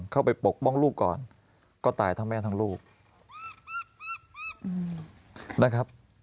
ปกป้องลูกก่อนก็ตายทั้งแม่ทั้งลูกนะครับ